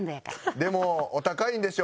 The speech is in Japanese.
でもお高いんでしょ？